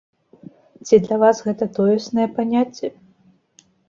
Ці для вас гэта тоесныя паняцці?